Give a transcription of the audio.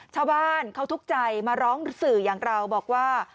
ชาวบ้านเขาทุกข์ใจมาร้องสื่ออย่างเราบอกว่า